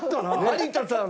有田さん